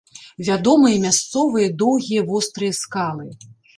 Вядомыя мясцовыя доўгія вострыя скалы.